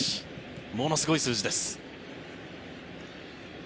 ものすごい数字です。